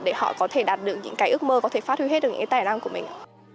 để họ có thể đạt được những cái ước mơ có thể phát huy hết được những cái tài năng của mình